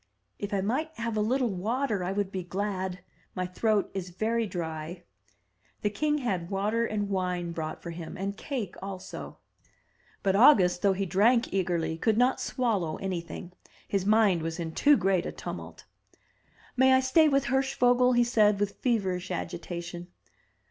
'* "If I might have a little water I would be glad; my throat is very dry/' The king had water and wine brought for him, and cake also; 3" MY BOOK HOUSE but August, though he drank eagerly, could not swallow any thing. His mind was in too great a tumult. "May I stay with Hirschvogel?'' he said, with feverish agitation.